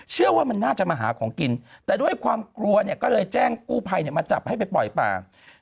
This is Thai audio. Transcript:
เชื่อว่ามันน่าจะมาหาของกินแต่ด้วยความกลัวเนี่ยก็เลยแจ้งกู้ภัยมาจับให้ไปปล่อยป่า